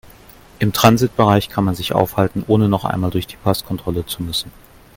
Im Transitbereich kann man sich aufhalten, ohne noch einmal durch die Passkontrolle zu müssen.